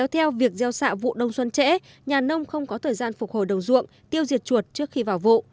tại vụ đông xuân trễ nhà nông không có thời gian phục hồi đồng ruộng tiêu diệt chuột trước khi vào vụ